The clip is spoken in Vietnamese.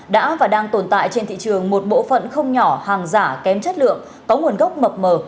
đã và đang tồn tại trên thị trường một bộ phận không nhỏ hàng giả kém chất lượng có nguồn gốc mập mờ